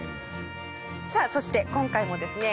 さあそして今回もですね